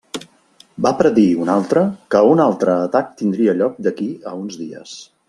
Va predir un altre que un altre atac tindria lloc d'aquí a uns dies.